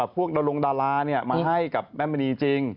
พวกโดรงดารามาเผยกับแม่มีนีจริง